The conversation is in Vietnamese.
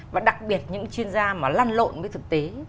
và đặc biệt những chuyên gia mà lăn lộn với thực tế